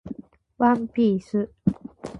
ワンピース